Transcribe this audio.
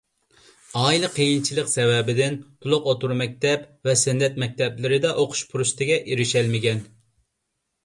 ئائىلە قىيىنچىلىق سەۋەبىدىن تولۇق ئوتتۇرا مەكتەپ ۋە سەنئەت مەكتەپلىرىدە ئوقۇش پۇرسىتىگە ئېرىشەلمىگەن.